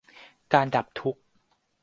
การดับทุกข์